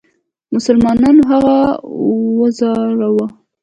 مسلمانانو هغه ځوراوه.